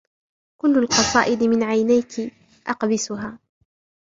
كلُّ القصائدِ من عينيكِ أقبسها